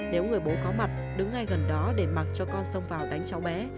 nếu người bố có mặt đứng ngay gần đó để mặc cho con sông vào đánh cháu bé